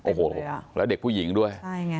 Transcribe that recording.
โอ้โหแล้วเด็กผู้หญิงด้วยใช่ไง